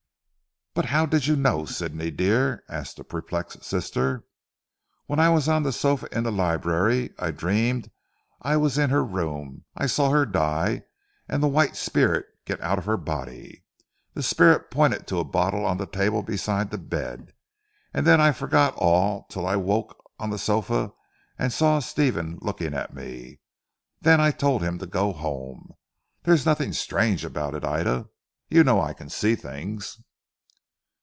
"But how did you know, Sidney dear?" asked the perplexed sister. "When I was on the sofa in the library I dreamed that I was in her room, I saw her die, and the white spirit get out of her body. The spirit pointed to a bottle on the table beside the bed, and then I forgot all till I woke on the sofa and saw Stephen looking at me. Then I told him to go home. There is nothing strange about it Ida. You know I can see things."